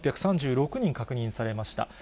４８３６人確認されました。